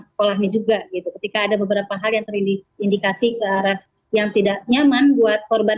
sekolahnya juga gitu ketika ada beberapa hal yang terindikasi ke arah yang tidak nyaman buat korban